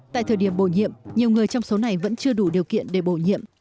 tại thời điểm bổ nhiệm nhiều người trong số này vẫn chưa đủ điều kiện để bổ nhiệm